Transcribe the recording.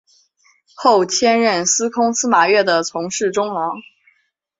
后迁任司空司马越的从事中郎。